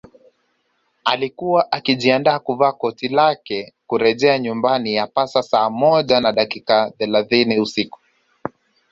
Alikuwa akijiandaa kuvaa koti lake kurejea nyumbani yapata saa moja na dakika thelathini usiku